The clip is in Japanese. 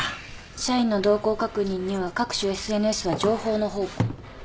社員の動向確認には各種ＳＮＳは情報の宝庫。